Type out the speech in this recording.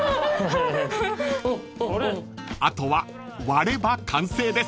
［あとは割れば完成です］